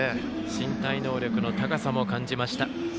身体能力の高さも感じました。